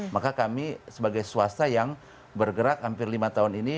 maka kami sebagai swasta yang bergerak hampir lima tahun ini